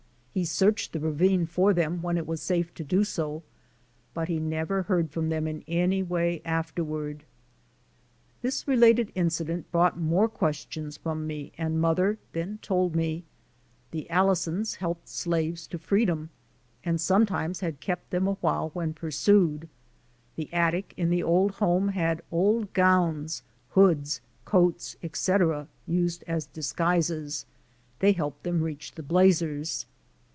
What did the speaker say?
He searched the ravine for them when it was safe to do so but he never heard from them in any way afterward. Vol. XV, Nos. 3 4 Underground Railroad 583 This related incident brought more questions from me and mother then told me '^ The Allisons helped slaves to free dom and sometimes had kept them a while when pursued.'* The attic in the old home had old gowns, hoods, coats, etc., used as disguises. They helped them reach the Blazers.